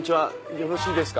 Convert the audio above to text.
よろしいですか？